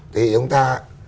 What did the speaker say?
thì chúng ta